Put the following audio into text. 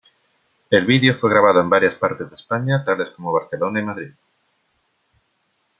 El vídeo fue grabado en varias partes de España tales como Barcelona y Madrid.